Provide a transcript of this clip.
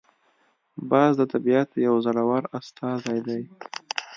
باز د طبیعت یو زړور استازی دی